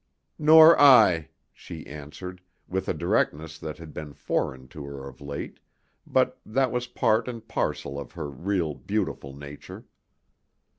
"Nor I," she answered, with a directness that had been foreign to her of late, but that was part and parcel of her real, beautiful nature.